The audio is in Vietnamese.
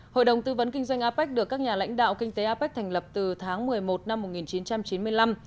hội đồng tư vấn kinh doanh apec được các nhà lãnh đạo kinh tế apec thành lập từ tháng một mươi một năm một nghìn chín trăm chín mươi năm